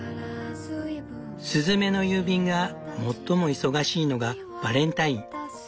スズメの郵便が最も忙しいのがバレンタイン。